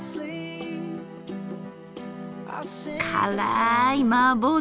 辛いマーボー